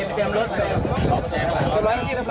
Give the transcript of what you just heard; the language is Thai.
สวัสดีครับสวัสดีครับ